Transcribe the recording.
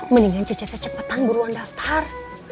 mendingan cici teh cepetan buruan daftar